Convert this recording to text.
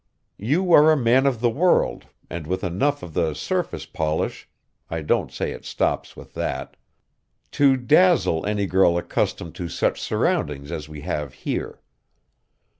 You are a man of the world and with enough of the surface polish I don't say it stops with that to dazzle any girl accustomed to such surroundings as we have here.